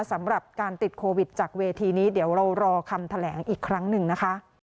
สำหรับการติดโควิดจากเวทีนี้เดี๋ยวเรารอคำแถลงอีกครั้งหนึ่งนะคะ